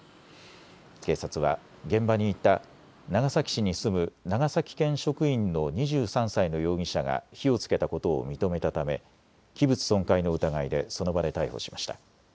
警察は現場にいた長崎市に住む長崎県職員の２３歳の容疑者が火をつけたことを認めたため器物損壊の疑いでその場で逮捕しました。